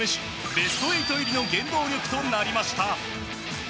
ベスト８入りの原動力となりました。